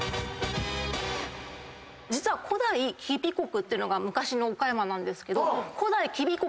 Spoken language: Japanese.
実は古代吉備国っていうのが昔の岡山なんですけど。